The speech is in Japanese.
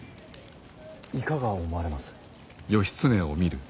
いかが思われます。